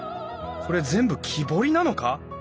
これ全部木彫りなのか！？